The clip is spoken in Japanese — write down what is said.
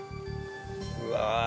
うわ。